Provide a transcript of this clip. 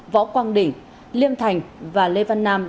võ quang đỉnh liêm thành và lê văn nam